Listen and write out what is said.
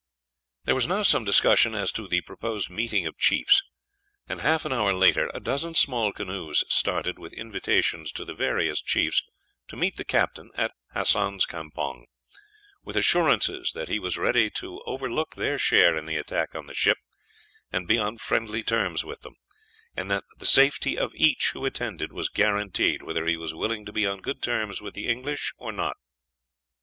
There was now some discussion as to the proposed meeting of chiefs; and half an hour after, a dozen small canoes started with invitations to the various chiefs to meet the captain at Hassan's campong, with assurances that he was ready to overlook their share in the attack on the ship, and be on friendly terms with them, and that the safety of each who attended was guaranteed, whether he was willing to be on good terms with the English or not.